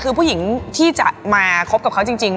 คือผู้หญิงที่จะมาคบกับเขาจริง